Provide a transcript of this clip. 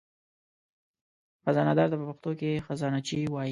خزانهدار ته په پښتو کې خزانهچي وایي.